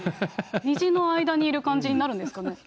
虹の間にいる感じになるんですかね。